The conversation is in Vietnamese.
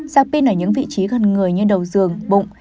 dạp pin ở những vị trí gần người như đầu giường bụng